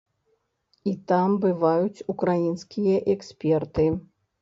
І там бываюць украінскія эксперты.